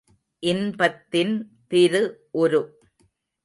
இன்பத்தின் திரு உரு!